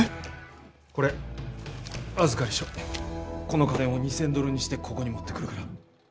この金を２，０００ドルにしてここに持ってくるから。